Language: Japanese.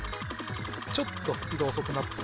ちょっとスピード遅くなった。